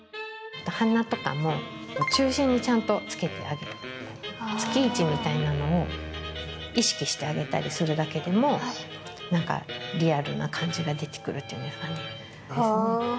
そして鼻とかも中心にちゃんとつけてあげてつき位置みたいなのを意識してあげたりするだけでも何かリアルな感じが出てくるといいますかね。